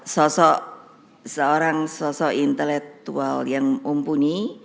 sosok seorang sosok intelektual yang mumpuni